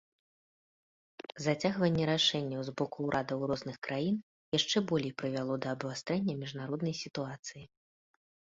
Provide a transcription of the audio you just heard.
Зацягванне рашэнняў з боку ўрадаў розных краін яшчэ болей прывяло да абвастрэння міжнароднай сітуацыі.